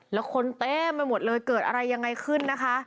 แล้วคนเต็มไปหมดเลยเกิดอะไรยังไงขึ้นนะคะ